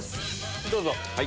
どうぞ。